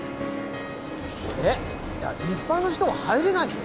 えっ一般の人は入れないよ？